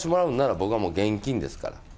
僕はもう現金ですから。